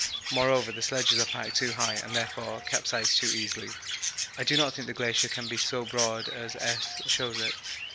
Moreover, the sledges are packed too high and therefore capsize too easily. I do not think the glacier can be so broad as S. shows it.